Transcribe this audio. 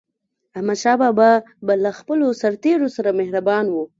احمدشاه بابا به له خپلو سرتېرو سره مهربان و.